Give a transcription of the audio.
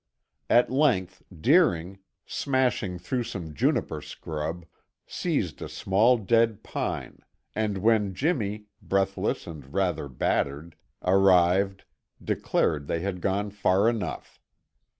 At length, Deering, smashing through some juniper scrub, seized a small dead pine, and when Jimmy, breathless and rather battered, arrived, declared they had gone far enough.